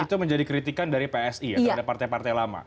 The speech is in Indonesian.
itu menjadi kritikan dari psi ya terhadap partai partai lama